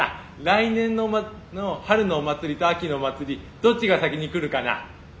来年の春のお祭りと秋のお祭りどっちが先にくるかな？」